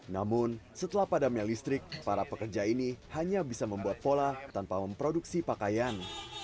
namun setelah padamnya listrik para pekerja ini hanya bisa membuat pola tanpa memproduksi pakaian